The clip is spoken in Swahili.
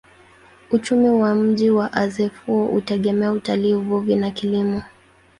Uchumi wa mji wa Azeffou hutegemea utalii, uvuvi na kilimo.